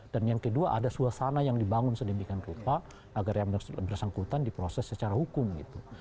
dan yang kedua ada suasana yang dibangun sedemikian rupa agar yang bersangkutan diproses secara hukum gitu